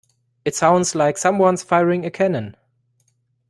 It sounds like someone's firing a cannon.